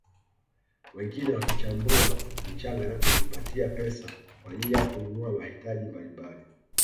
Wengine wakichambua mchanga na kujipatia pesa kwa ajili ya kununua mahitaji mbalimbali